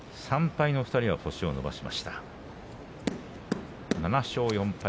３敗の２人は星を伸ばしました７勝４敗